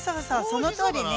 そのとおりね。